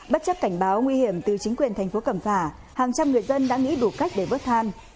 bất chấp cảnh báo nguy hiểm từ chính quyền thành phố cẩm phả hàng trăm người dân đã nghĩ đủ cách để bớt than